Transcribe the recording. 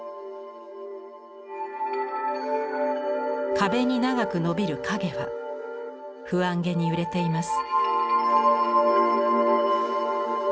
壁に長くのびる影は不安げに揺れています。